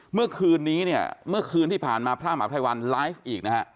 เมื่อคืนนี้เนี่ยเมื่อคืนที่ผ่านมาพระมหาภัยวันไลฟ์อีกนะฮะ